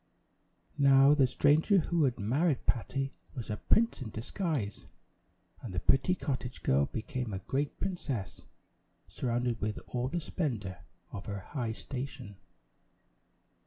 Now the stranger who had married Patty was a prince in disguise; and the pretty cottage girl became a great princess, surrounded with all the splendor of her high station!